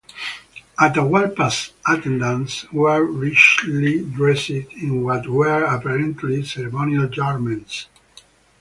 Atahualpa's attendants were richly dressed in what were apparently ceremonial garments.